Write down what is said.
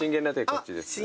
こっちです。